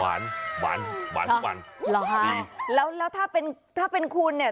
หวานหวานหวานหวานหรอฮะแล้วถ้าเป็นคุณเนี่ย